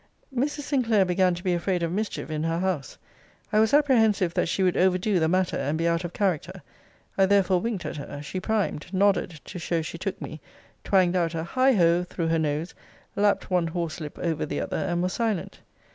'Mrs. Sinclair began to be afraid of mischief in her house I was apprehensive that she would over do the matter, and be out of character. I therefore winked at her. She primed; nodded, to show she took me; twanged out a high ho through her nose, lapped one horse lip over the other, and was silent.'